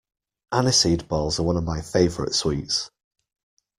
Aniseed balls are one of my favourite sweets